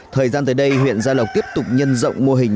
thời gian tới đây huyện gia lộc tiếp tục nhân rộng mô hình